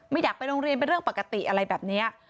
อยากไปโรงเรียนเป็นเรื่องปกติอะไรแบบนี้